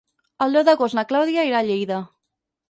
El deu d'agost na Clàudia irà a Lleida.